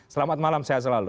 selamat malam sehat selalu